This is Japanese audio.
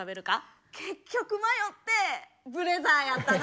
結局迷ってブレザーやったな。